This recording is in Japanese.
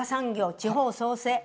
地方創生？